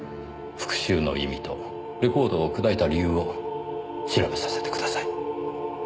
復讐の意味とレコードを砕いた理由を調べさせてください。